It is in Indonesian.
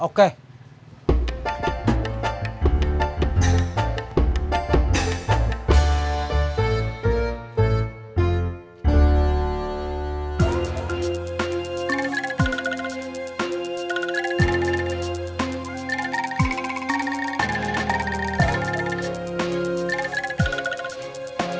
george tidak sampai